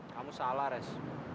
kamu salah res